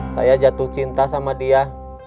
saya jatuh cinta sama dia